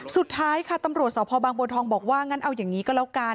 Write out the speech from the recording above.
สุดท้ายค่ะตำรวจสพบางบัวทองบอกว่างั้นเอาอย่างนี้ก็แล้วกัน